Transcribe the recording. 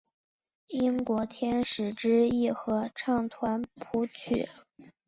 英国天使之翼合唱团谱曲。